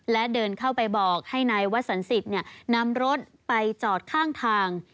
และเดินเข้าไปบอกให้นายวสันสิทธิ์นำรถไปจอดข้างทาง